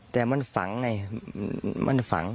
แต่มันฝังไงมันฝัง